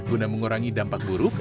guna mengurangi dampak buruk